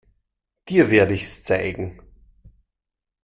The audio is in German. Dir werd ich's zeigen.